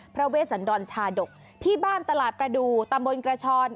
เวชสันดรชาดกที่บ้านตลาดประดูตำบลกระชอน